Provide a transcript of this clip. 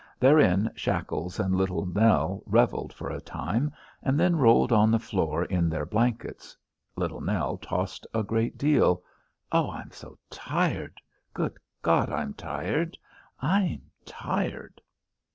Therein Shackles and Little Nell revelled for a time, and then rolled on the floor in their blankets. Little Nell tossed a great deal. "Oh, I'm so tired. Good God, I'm tired. I'm tired."